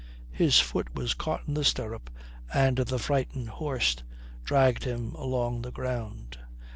His foot was caught in the stirrup, and the frightened horse dragged him along the ground.